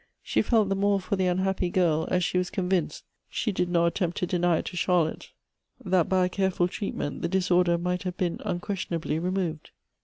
She felt the more for the unhappy girl, as she was convinced, she did not attempt to deny it to Charlotte, that by a careful treatment the disorder might have been unquestionably removed.